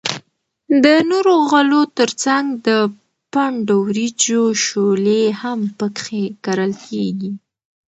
د نورو غلو تر څنگ د پنډو وریجو شولې هم پکښی کرل کیږي.